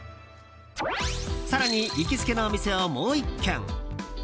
更に行きつけのお店をもう１軒。